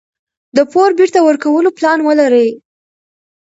د پور بیرته ورکولو پلان ولرئ.